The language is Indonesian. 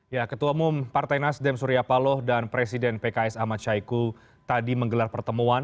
ya ketua umum partai nasdem surya paloh dan presiden pks ahmad syaiqo tadi menggelar pertemuan